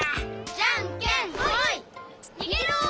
じゃんけんほい！にげろ！